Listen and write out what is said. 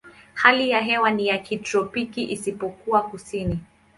Hali ya hewa ni ya kitropiki isipokuwa kusini.